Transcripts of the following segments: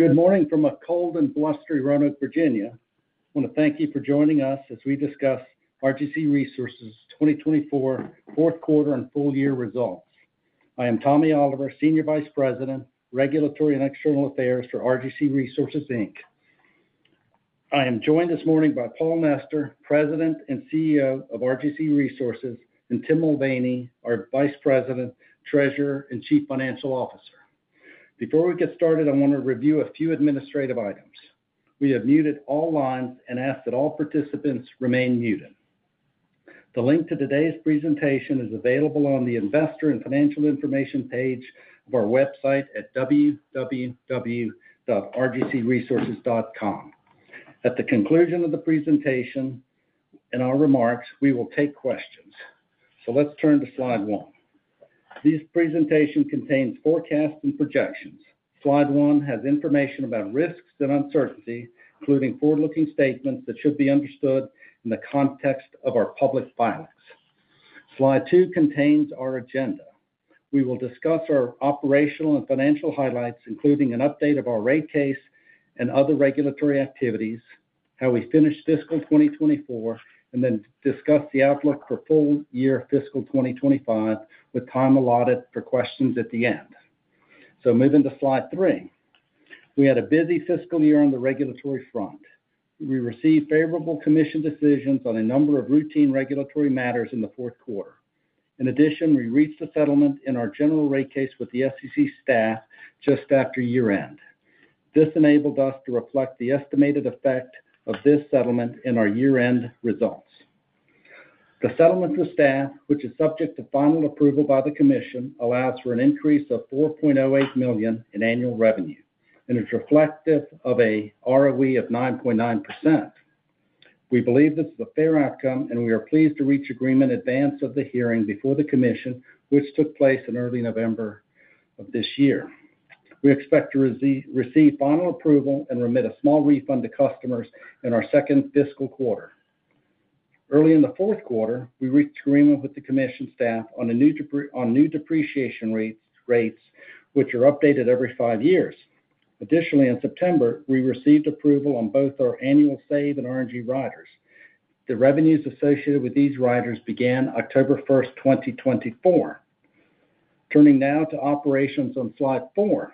Good morning from a cold and blustery Roanoke, Virginia. I want to thank you for joining us as we discuss RGC Resources' 2024 fourth quarter and full year results. I am Tommy Oliver, Senior Vice President, Regulatory and External Affairs for RGC Resources Inc. I am joined this morning by Paul Nester, President and CEO of RGC Resources, and Tim Mulvaney, our Vice President, Treasurer, and Chief Financial Officer. Before we get started, I want to review a few administrative items. We have muted all lines and ask that all participants remain muted. The link to today's presentation is available on the Investor and Financial Information page of our website at www.rgcresources.com. At the conclusion of the presentation and our remarks, we will take questions. So let's turn to Slide 1. This presentation contains forecasts and projections. Slide 2 has information about risks and uncertainty, including forward-looking statements that should be understood in the context of our public filings. Slide 2 contains our agenda. We will discuss our operational and financial highlights, including an update of our rate case and other regulatory activities, how we finished fiscal 2024, and then discuss the outlook for full year fiscal 2025 with time allotted for questions at the end. So moving to Slide 3, we had a busy fiscal year on the regulatory front. We received favorable commission decisions on a number of routine regulatory matters in the fourth quarter. In addition, we reached a settlement in our general rate case with the SCC staff just after year-end. This enabled us to reflect the estimated effect of this settlement in our year-end results. The settlement for staff, which is subject to final approval by the commission, allows for an increase of $4.08 million in annual revenue, and it's reflective of an ROE of 9.9%. We believe this is a fair outcome, and we are pleased to reach agreement in advance of the hearing before the commission, which took place in early November of this year. We expect to receive final approval and remit a small refund to customers in our second fiscal quarter. Early in the fourth quarter, we reached agreement with the commission staff on new depreciation rates, which are updated every five years. Additionally, in September, we received approval on both our annual SAVE and RNG riders. The revenues associated with these riders began October 1st, 2024. Turning now to operations on Slide 4,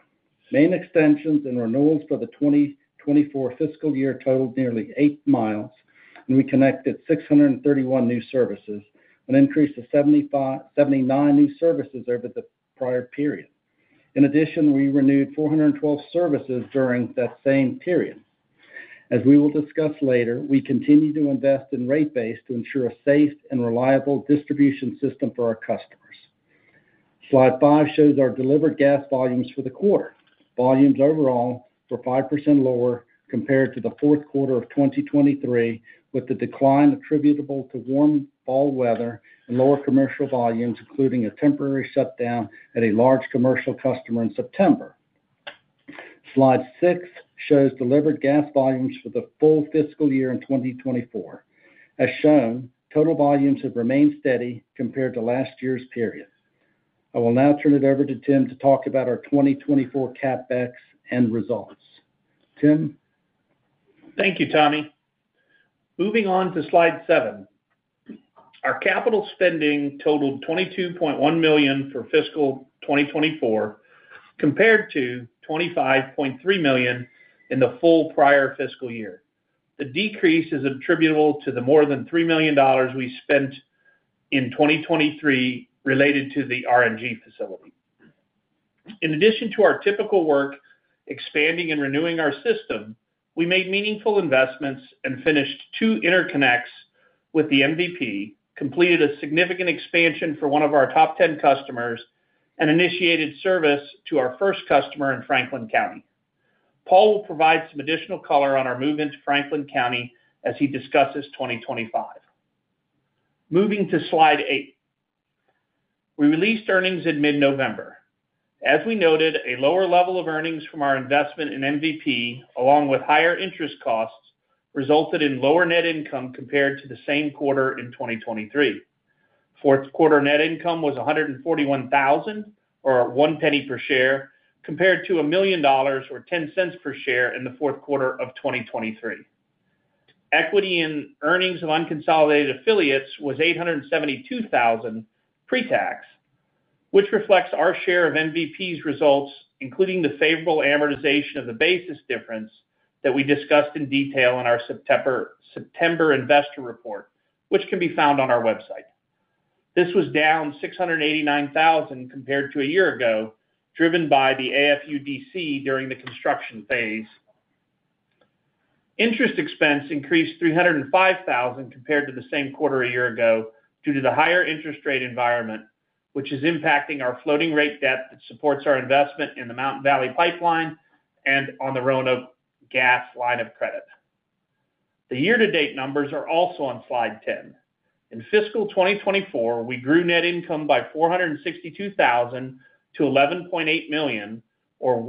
main extensions and renewals for the 2024 fiscal year totaled nearly eight miles, and we connected 631 new services, an increase of 79 new services over the prior period. In addition, we renewed 412 services during that same period. As we will discuss later, we continue to invest in rate base to ensure a safe and reliable distribution system for our customers. Slide 5 shows our delivered gas volumes for the quarter. Volumes overall were 5% lower compared to the fourth quarter of 2023, with the decline attributable to warm fall weather and lower commercial volumes, including a temporary shutdown at a large commercial customer in September. Slide 6 shows delivered gas volumes for the full fiscal year in 2024. As shown, total volumes have remained steady compared to last year's period. I will now turn it over to Tim to talk about our 2024 CapEx and results. Tim. Thank you, Tommy. Moving on to Slide 7, our capital spending totaled $22.1 million for fiscal 2024, compared to $25.3 million in the full prior fiscal year. The decrease is attributable to the more than $3 million we spent in 2023 related to the RNG facility. In addition to our typical work, expanding and renewing our system, we made meaningful investments and finished two interconnects with the MVP, completed a significant expansion for one of our top 10 customers, and initiated service to our first customer in Franklin County. Paul will provide some additional color on our move into Franklin County as he discusses 2025. Moving to Slide 8, we released earnings in mid-November. As we noted, a lower level of earnings from our investment in MVP, along with higher interest costs, resulted in lower net income compared to the same quarter in 2023. Fourth quarter net income was $141,000, or $0.01 per share, compared to $1 million or $0.10 per share in the fourth quarter of 2023. Equity in earnings of unconsolidated affiliates was $872,000 pre-tax, which reflects our share of MVP's results, including the favorable amortization of the basis difference that we discussed in detail in our September investor report, which can be found on our website. This was down $689,000 compared to a year ago, driven by the AFUDC during the construction phase. Interest expense increased $305,000 compared to the same quarter a year ago due to the higher interest rate environment, which is impacting our floating rate debt that supports our investment in the Mountain Valley Pipeline and the Roanoke Gas line of credit. The year-to-date numbers are also on Slide 10. In fiscal 2024, we grew net income by $462,000 to $11.8 million, or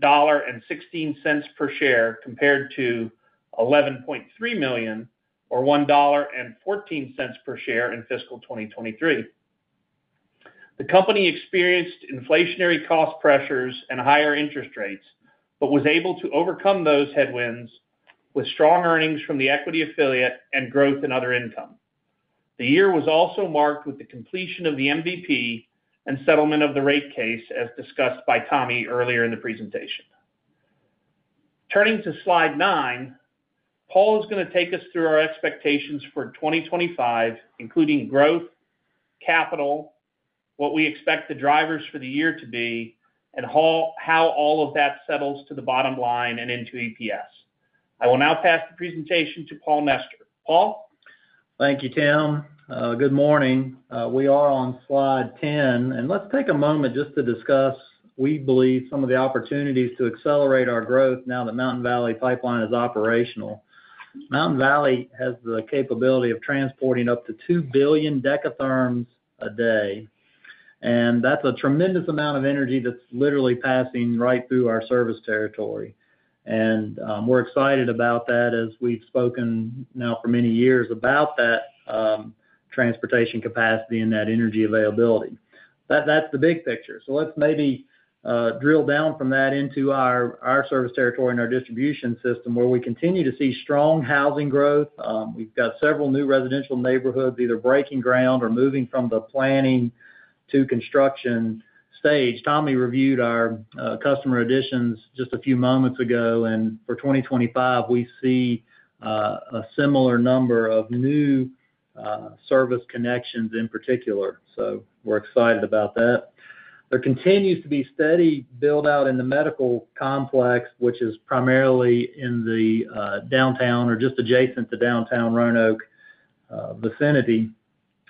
$1.16 per share, compared to $11.3 million, or $1.14 per share in fiscal 2023. The company experienced inflationary cost pressures and higher interest rates, but was able to overcome those headwinds with strong earnings from the equity affiliate and growth in other income. The year was also marked with the completion of the MVP and settlement of the rate case, as discussed by Tommy earlier in the presentation. Turning to Slide 9, Paul is going to take us through our expectations for 2025, including growth, capital, what we expect the drivers for the year to be, and how all of that settles to the bottom line and into EPS. I will now pass the presentation to Paul Nester. Paul. Thank you, Tim. Good morning. We are on Slide 10, and let's take a moment just to discuss, we believe, some of the opportunities to accelerate our growth now that Mountain Valley Pipeline is operational. Mountain Valley Pipeline has the capability of transporting up to 2 billion dekatherms a day, and that's a tremendous amount of energy that's literally passing right through our service territory. And we're excited about that, as we've spoken now for many years about that transportation capacity and that energy availability. That's the big picture. So let's maybe drill down from that into our service territory and our distribution system, where we continue to see strong housing growth. We've got several new residential neighborhoods either breaking ground or moving from the planning to construction stage. Tommy reviewed our customer additions just a few moments ago, and for 2025, we see a similar number of new service connections in particular. So we're excited about that. There continues to be steady build-out in the medical complex, which is primarily in the downtown or just adjacent to downtown Roanoke vicinity.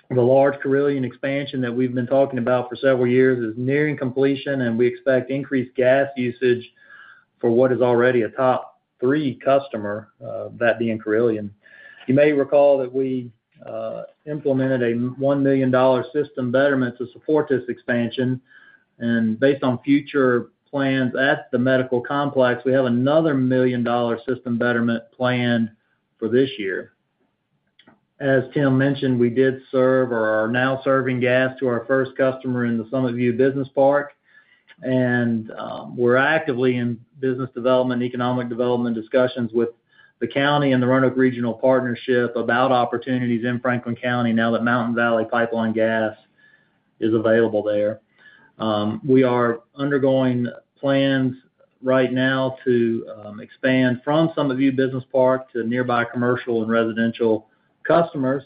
The large Carilion expansion that we've been talking about for several years is nearing completion, and we expect increased gas usage for what is already a top three customer, that being Carilion. You may recall that we implemented a $1 million system betterment to support this expansion, and based on future plans at the medical complex, we have another million-dollar system betterment planned for this year. As Tim mentioned, we did serve or are now serving gas to our first customer in the Summit View Business Park, and we're actively in business development, economic development discussions with the county and the Roanoke Regional Partnership about opportunities in Franklin County now that Mountain Valley Pipeline gas is available there. We are undergoing plans right now to expand from Summit View Business Park to nearby commercial and residential customers,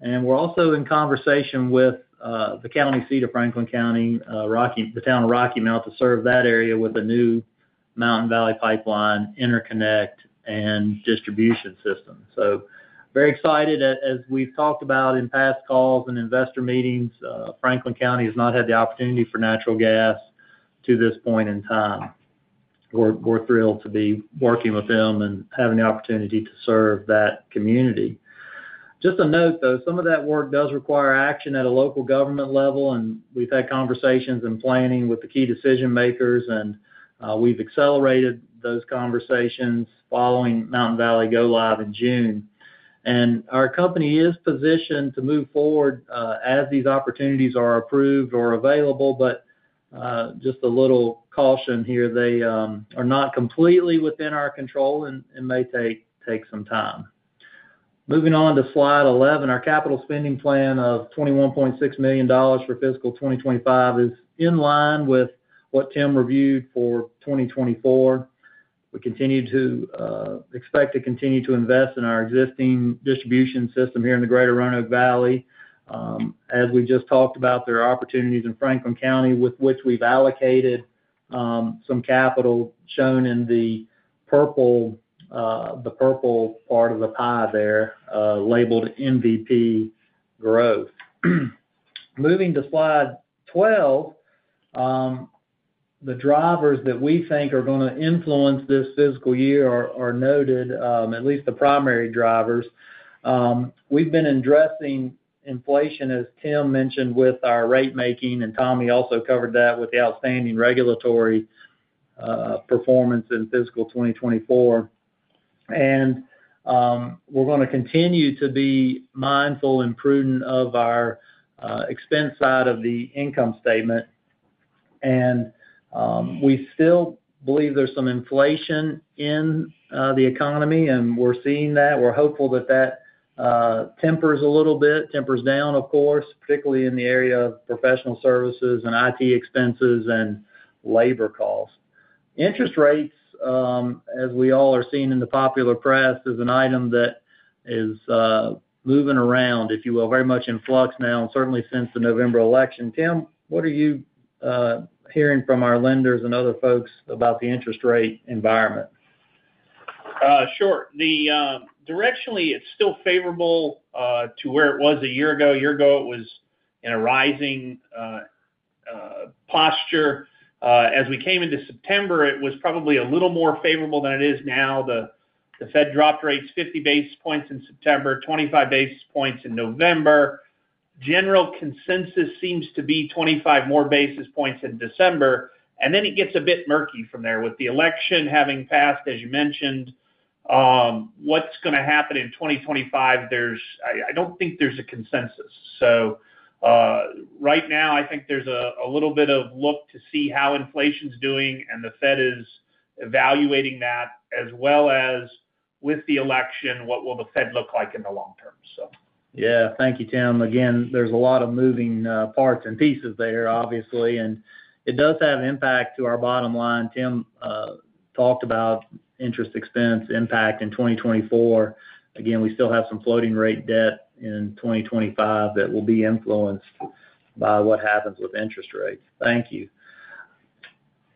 and we're also in conversation with the county seat of Franklin County, the town of Rocky Mount, to serve that area with a new Mountain Valley Pipeline interconnect and distribution system, so very excited. As we've talked about in past calls and investor meetings, Franklin County has not had the opportunity for natural gas to this point in time. We're thrilled to be working with them and having the opportunity to serve that community. Just a note, though, some of that work does require action at a local government level, and we've had conversations and planning with the key decision-makers, and we've accelerated those conversations following Mountain Valley Go Live in June, and our company is positioned to move forward as these opportunities are approved or available, but just a little caution here, they are not completely within our control and may take some time. Moving on to Slide 11, our capital spending plan of $21.6 million for fiscal 2025 is in line with what Tim reviewed for 2024. We continue to expect to continue to invest in our existing distribution system here in the greater Roanoke Valley. As we just talked about, there are opportunities in Franklin County with which we've allocated some capital, shown in the purple part of the pie there labeled MVP growth. Moving to Slide 12, the drivers that we think are going to influence this fiscal year are noted, at least the primary drivers. We've been addressing inflation, as Tim mentioned, with our rate-making, and Tommy also covered that with the outstanding regulatory performance in fiscal 2024, and we're going to continue to be mindful and prudent of our expense side of the income statement, and we still believe there's some inflation in the economy, and we're seeing that. We're hopeful that that tempers a little bit, tempers down, of course, particularly in the area of professional services and IT expenses and labor costs. Interest rates, as we all are seeing in the popular press, is an item that is moving around, if you will, very much in flux now, and certainly since the November election. Tim, what are you hearing from our lenders and other folks about the interest rate environment? Sure. Directionally, it's still favorable to where it was a year ago. A year ago, it was in a rising posture. As we came into September, it was probably a little more favorable than it is now. The Fed dropped rates 50 basis points in September, 25 basis points in November. General consensus seems to be 25 more basis points in December. And then it gets a bit murky from there with the election having passed, as you mentioned. What's going to happen in 2025? I don't think there's a consensus. So right now, I think there's a little bit of look to see how inflation's doing and the Fed is evaluating that, as well as with the election, what will the Fed look like in the long term, so. Yeah. Thank you, Tim. Again, there's a lot of moving parts and pieces there, obviously, and it does have impact to our bottom line. Tim talked about interest expense impact in 2024. Again, we still have some floating rate debt in 2025 that will be influenced by what happens with interest rates. Thank you.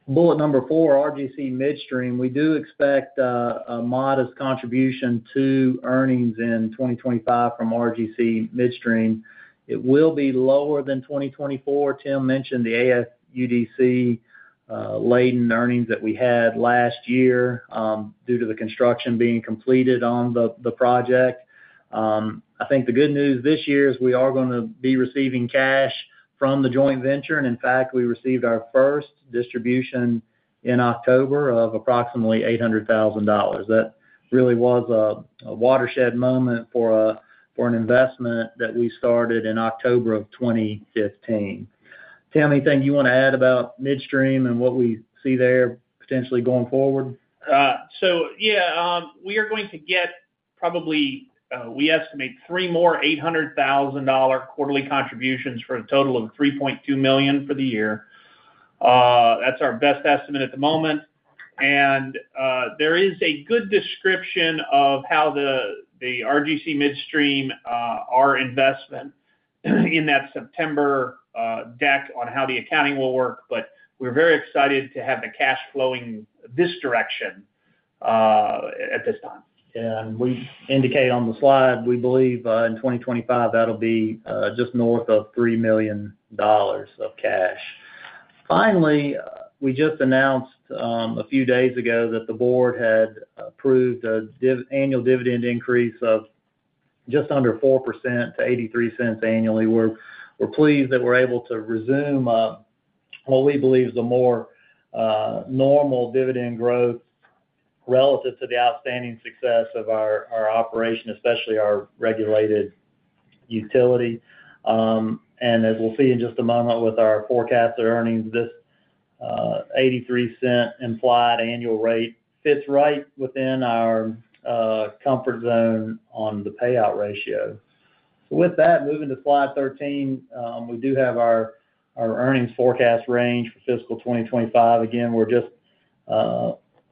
Bullet number four, RGC Midstream. We do expect a modest contribution to earnings in 2025 from RGC Midstream. It will be lower than 2024. Tim mentioned the AFUDC-laden earnings that we had last year due to the construction being completed on the project. I think the good news this year is we are going to be receiving cash from the joint venture, and in fact, we received our first distribution in October of approximately $800,000. That really was a watershed moment for an investment that we started in October of 2015. Tim, anything you want to add about Midstream and what we see there potentially going forward? So yeah, we are going to get probably, we estimate three more $800,000 quarterly contributions for a total of $3.2 million for the year. That's our best estimate at the moment. And there is a good description of how the RGC Midstream, our investment in that September deck on how the accounting will work, but we're very excited to have the cash flowing this direction at this time. And we indicate on the slide, we believe in 2025, that'll be just north of $3 million of cash. Finally, we just announced a few days ago that the board had approved an annual dividend increase of just under 4% to $0.83 annually. We're pleased that we're able to resume what we believe is the more normal dividend growth relative to the outstanding success of our operation, especially our regulated utility. And as we'll see in just a moment with our forecasted earnings, this $0.83-implied annual rate fits right within our comfort zone on the payout ratio. So with that, moving to Slide 13, we do have our earnings forecast range for fiscal 2025. Again, we're just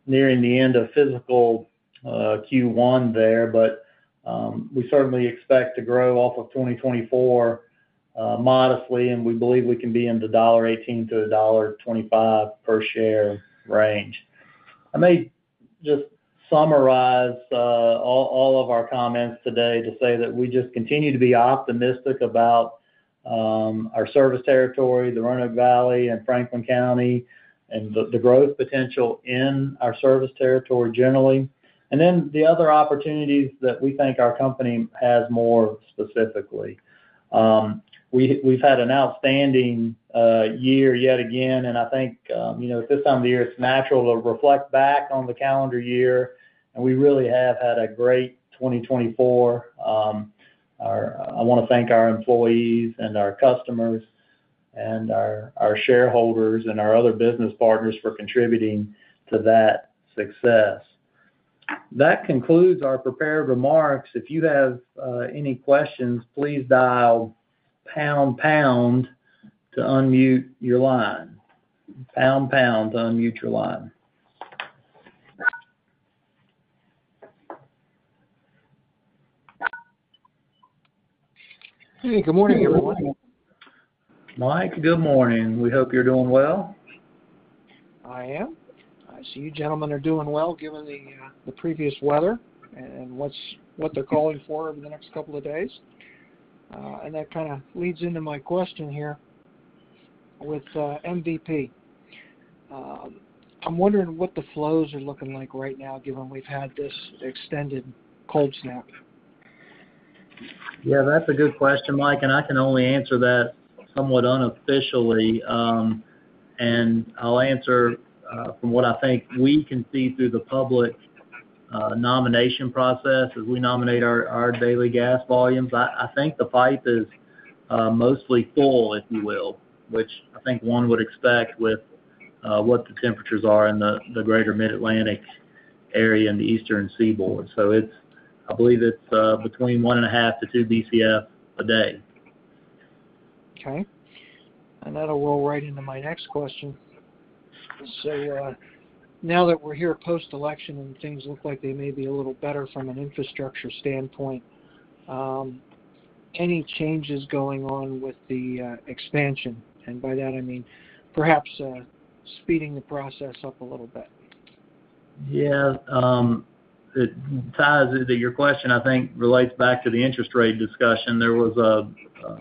nearing the end of fiscal Q1 there, but we certainly expect to grow off of 2024 modestly, and we believe we can be in the $1.18 to $1.25 per share range. I may just summarize all of our comments today to say that we just continue to be optimistic about our service territory, the Roanoke Valley and Franklin County, and the growth potential in our service territory generally, and then the other opportunities that we think our company has more specifically. We've had an outstanding year yet again, and I think at this time of the year, it's natural to reflect back on the calendar year, and we really have had a great 2024. I want to thank our employees and our customers and our shareholders and our other business partners for contributing to that success. That concludes our prepared remarks. If you have any questions, please dial pound pound to unmute your line. Pound pound to unmute your line. Hey, good morning, everyone. Mike, good morning. We hope you're doing well. I am. I see you gentlemen are doing well given the previous weather and what they're calling for over the next couple of days. That kind of leads into my question here with MVP. I'm wondering what the flows are looking like right now, given we've had this extended cold snap. Yeah, that's a good question, Mike, and I can only answer that somewhat unofficially. And I'll answer from what I think we can see through the public nomination process as we nominate our daily gas volumes. I think the pipe is mostly full, if you will, which I think one would expect with what the temperatures are in the greater Mid-Atlantic area and the Eastern Seaboard. So I believe it's between one and a half to two BCF a day. Okay, and that'll roll right into my next question, so now that we're here post-election and things look like they may be a little better from an infrastructure standpoint, any changes going on with the expansion, and by that, I mean perhaps speeding the process up a little bit. Yeah. To your question, I think relates back to the interest rate discussion. There was a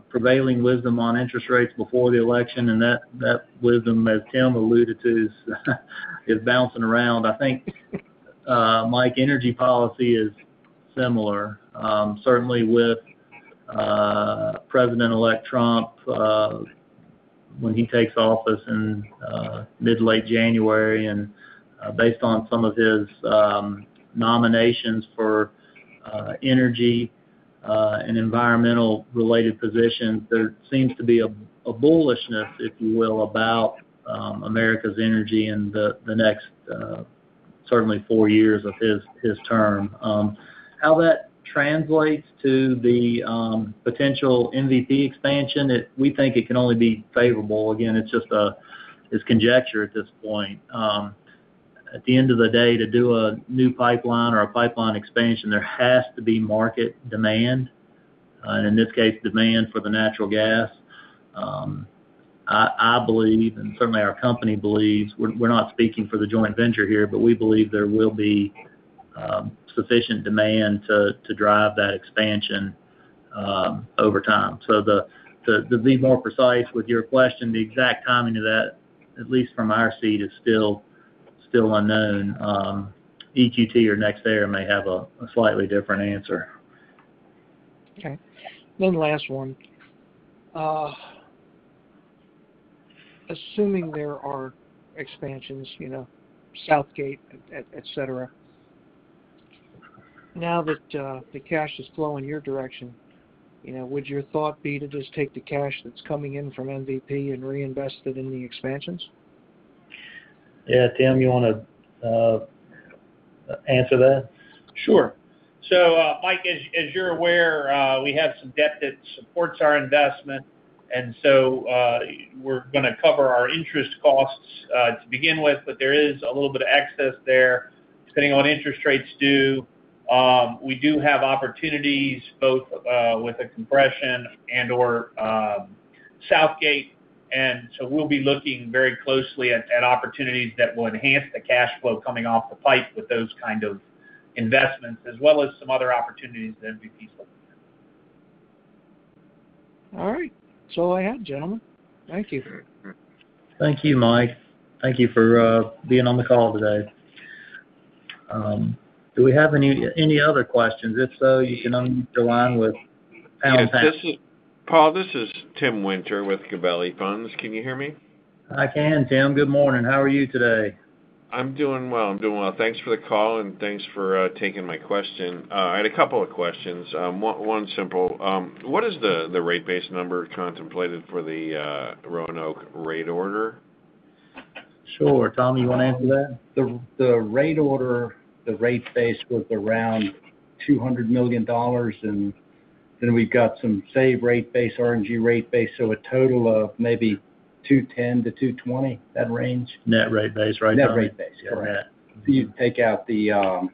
prevailing wisdom on interest rates before the election, and that wisdom, as Tim alluded to, is bouncing around. I think, Mike, energy policy is similar. Certainly with President-elect Trump, when he takes office in mid-late January, and based on some of his nominations for energy and environmental-related positions, there seems to be a bullishness, if you will, about America's energy in the next certainly four years of his term. How that translates to the potential MVP expansion, we think it can only be favorable. Again, it's just conjecture at this point. At the end of the day, to do a new pipeline or a pipeline expansion, there has to be market demand, and in this case, demand for the natural gas. I believe, and certainly our company believes, we're not speaking for the joint venture here, but we believe there will be sufficient demand to drive that expansion over time. So to be more precise with your question, the exact timing of that, at least from our seat, is still unknown. EQT or NextEra may have a slightly different answer. Okay. One last one. Assuming there are expansions, Southgate, etc., now that the cash is flowing your direction, would your thought be to just take the cash that's coming in from MVP and reinvest it in the expansions? Yeah. Tim, you want to answer that? Sure. So Mike, as you're aware, we have some debt that supports our investment, and so we're going to cover our interest costs to begin with, but there is a little bit of excess there depending on interest rates, too. We do have opportunities both with a compression and/or Southgate, and so we'll be looking very closely at opportunities that will enhance the cash flow coming off the pipe with those kind of investments, as well as some other opportunities that MVP's looking at. All right. That's all I had, gentlemen. Thank you. Thank you, Mike. Thank you for being on the call today. Do we have any other questions? If so, you can unmute your line with pound pound. Paul, this is Tim Winter with Gabelli Funds. Can you hear me? I can, Tim. Good morning. How are you today? I'm doing well. I'm doing well. Thanks for the call and thanks for taking my question. I had a couple of questions. One simple. What is the rate base number contemplated for the Roanoke rate order? Sure. Tommy, you want to answer that? The rate order, the rate base was around $200 million, and then we've got some SAVE rate base, RNG rate base, so a total of maybe $210 million to $220 million, that range? Net rate base, right? Net rate base, correct. So you take out the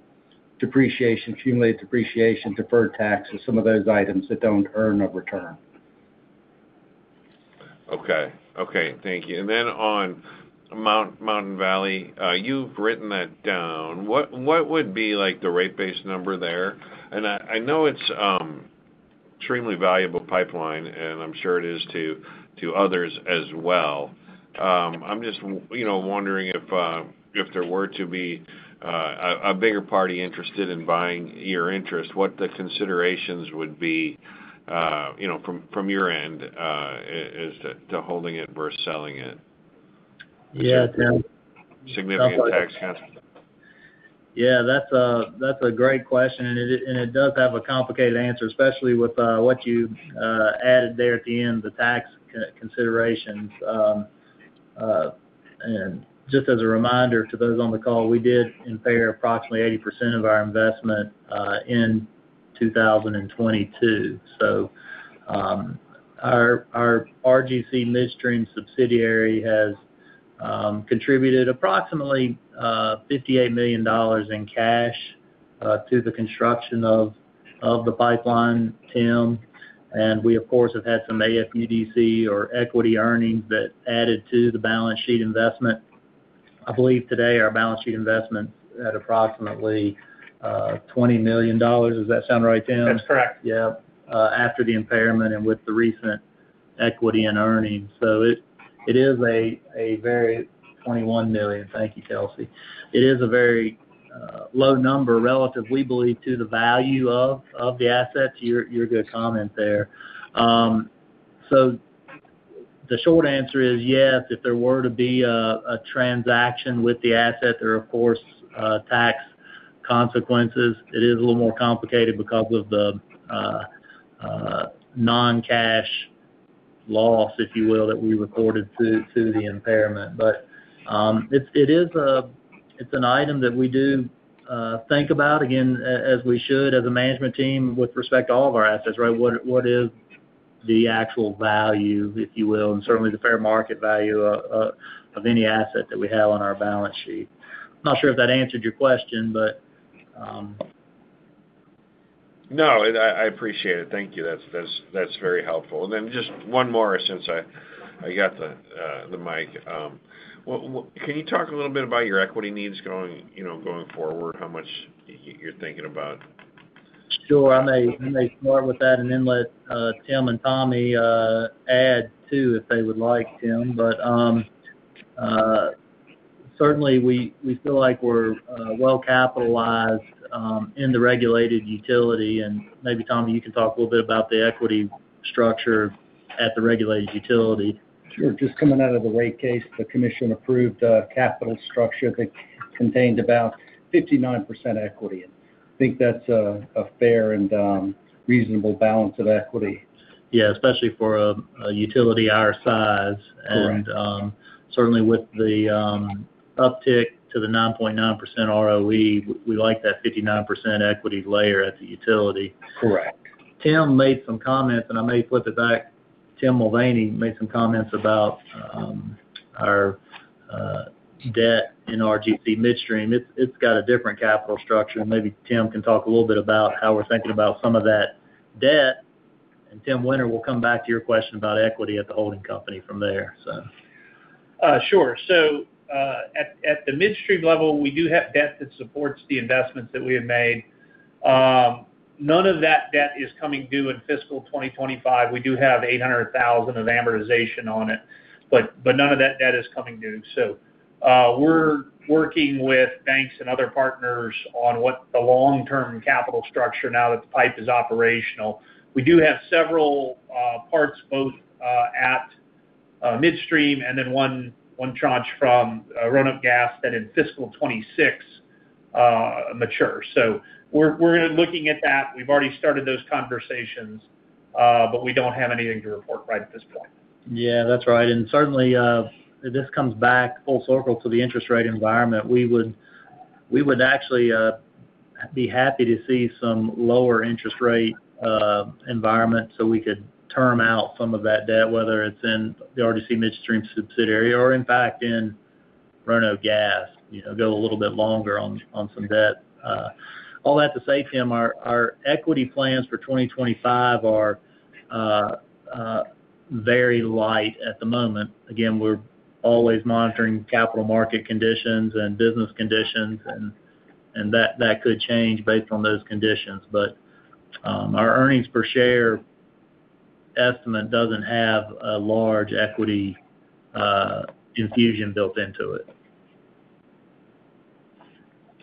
depreciation, cumulative depreciation, deferred taxes, some of those items that don't earn a return. Okay. Thank you. And then on Mountain Valley, you've written that down. What would be the rate base number there? And I know it's an extremely valuable pipeline, and I'm sure it is to others as well. I'm just wondering if there were to be a bigger party interested in buying your interest, what the considerations would be from your end as to holding it versus selling it? Yeah, Tim. Significant tax contribution? Yeah. That's a great question, and it does have a complicated answer, especially with what you added there at the end, the tax considerations. And just as a reminder to those on the call, we did impair approximately 80% of our investment in 2022. So our RGC Midstream subsidiary has contributed approximately $58 million in cash to the construction of the pipeline, Tim. And we, of course, have had some AFUDC or equity earnings that added to the balance sheet investment. I believe today our balance sheet investment's at approximately $20 million. Does that sound right, Tim? That's correct. Yeah. After the impairment and with the recent equity and earnings. So it is a very 21 million. Thank you, Kelsie. It is a very low number relative, we believe, to the value of the assets. You're a good comment there. So the short answer is yes. If there were to be a transaction with the asset, there, of course, are tax consequences. It is a little more complicated because of the non-cash loss, if you will, that we reported to the impairment. But it's an item that we do think about, again, as we should, as a management team with respect to all of our assets, right? What is the actual value, if you will, and certainly the fair market value of any asset that we have on our balance sheet? Not sure if that answered your question, but. No. I appreciate it. Thank you. That's very helpful. And then just one more since I got the mic. Can you talk a little bit about your equity needs going forward? How much you're thinking about? Sure. I may start with that and then let Tim and Tommy add too if they would like, Tim. But certainly, we feel like we're well capitalized in the regulated utility, and maybe Tommy, you can talk a little bit about the equity structure at the regulated utility. Sure. Just coming out of the rate case, the Commission approved a capital structure that contained about 59% equity. I think that's a fair and reasonable balance of equity. Yeah. Especially for a utility our size. And certainly with the uptick to the 9.9% ROE, we like that 59% equity layer at the utility. Correct. Tim made some comments, and I may flip it back. Tim Mulvaney made some comments about our debt in RGC Midstream. It's got a different capital structure. Maybe Tim can talk a little bit about how we're thinking about some of that debt. And Tim Winter will come back to your question about equity at the holding company from there, so. Sure. So at the midstream level, we do have debt that supports the investments that we have made. None of that debt is coming due in fiscal 2025. We do have $800,000 of amortization on it, but none of that debt is coming due. So we're working with banks and other partners on what the long-term capital structure now that the pipe is operational. We do have several parts both at Midstream and then one tranche from Roanoke Gas that in fiscal 2026 mature. So we're looking at that. We've already started those conversations, but we don't have anything to report right at this point. Yeah. That's right. And certainly, this comes back full circle to the interest rate environment. We would actually be happy to see some lower interest rate environment so we could term out some of that debt, whether it's in the RGC Midstream subsidiary or, in fact, in Roanoke Gas, go a little bit longer on some debt. All that to say, Tim, our equity plans for 2025 are very light at the moment. Again, we're always monitoring capital market conditions and business conditions, and that could change based on those conditions. But our earnings per share estimate doesn't have a large equity infusion built into it.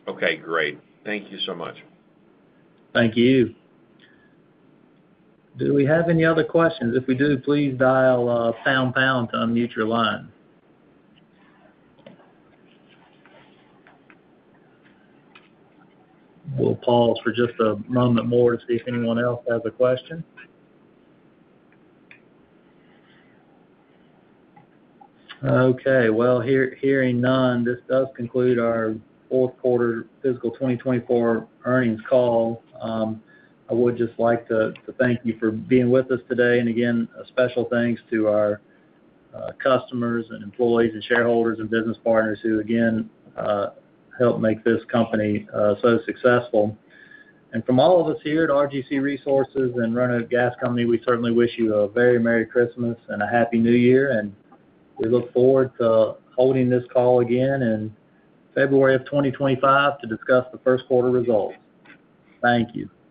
Okay. Great. Thank you so much. Thank you. Do we have any other questions? If we do, please dial pound pound to unmute your line. We'll pause for just a moment more to see if anyone else has a question. Okay. Well, hearing none, this does conclude our fourth quarter fiscal 2024 earnings call. I would just like to thank you for being with us today. And again, a special thanks to our customers and employees and shareholders and business partners who, again, help make this company so successful. And from all of us here at RGC Resources and Roanoke Gas Company, we certainly wish you a very Merry Christmas and a Happy New Year. And we look forward to holding this call again in February of 2025 to discuss the first quarter results. Thank you.